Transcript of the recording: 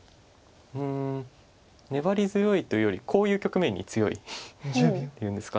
粘り強いというよりこういう局面に強いいうんですか。